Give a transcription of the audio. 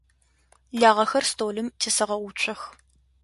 Лагъэхэр столым тесэгъэуцох.